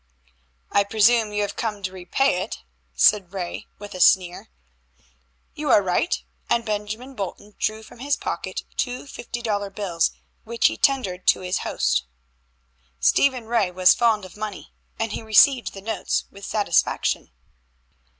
"I presume you have come to repay it," said Ray, with a sneer. "You are right," and Bolton drew from his pocket two fifty dollar bills, which he tendered to his host. Stephen Ray was fond of money, and he received the notes with satisfaction.